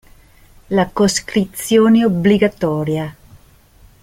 La coscrizione obbligatoria.